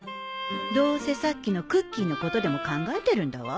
どうせさっきのクッキーのことでも考えてるんだわ